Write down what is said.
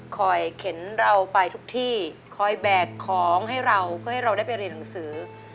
เข็นเราไปทุกที่คอยแบกของให้เราเพื่อให้เราได้ไปเรียนหนังสือ